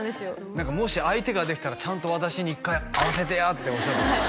何か「もし相手ができたら」「ちゃんと私に一回会わせてや」っておっしゃってました